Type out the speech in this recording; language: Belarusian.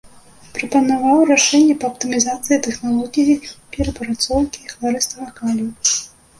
Прапанаваў рашэнні па аптымізацыі тэхналогіі перапрацоўкі хлорыстага калію.